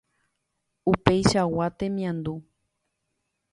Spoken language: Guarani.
opáichagua temiandu